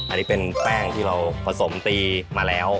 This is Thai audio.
อันนี้เป็นแป้งที่เราผสมตีมาแล้ว